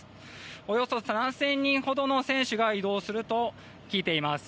およそ７０００人ほどの選手が移動すると聞いています。